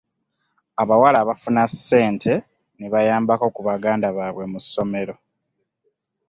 Abawala bafuna ssente ne bayambako ku baganda baabwe mu ssomero.